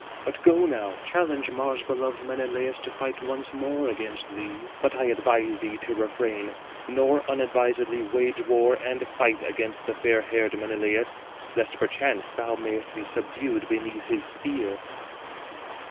But go now, challenge Mars beloved Menelaus to fight once more against thee! But I advise thee to refrain, nor unadvisedly wage war and fight against fair haired Menelaus, lest perchance thou mayest be subdued beneath his spear."